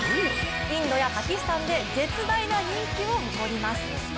インドやパキスタンで絶大な人気を誇ります。